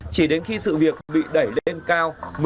chỉ đến khi sự việc bị đẩy lên cao